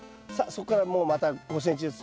そっからもうまた５ｃｍずつ。